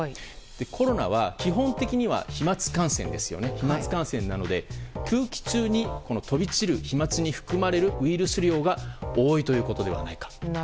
コロナは基本的には飛沫感染なので、空気中に飛び散る飛沫に含まれるウイルス量が多いということではないか。